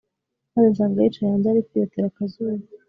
maze nsanga yicaye hanze ari kwiyotera akazuba